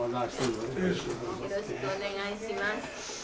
よろしくお願いします。